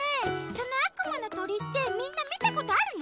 そのあくまのとりってみんなみたことあるの？